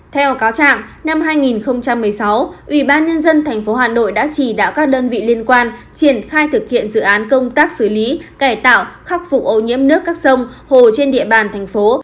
theo cáo trạng năm hai nghìn một mươi sáu ubnd tp hà nội đã chỉ đạo các đơn vị liên quan triển khai thực hiện dự án công tác xử lý cải tạo khắc phục ô nhiễm nước các sông hồ trên địa bàn thành phố